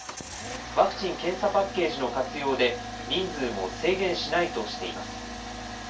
ワクチン・検査パッケージの活用で、人数も制限しないとしています。